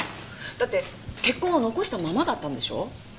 だって血痕は残したままだったんでしょう？